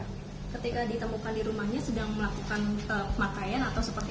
ketika ditemukan di rumahnya sedang melakukan pemakaian atau seperti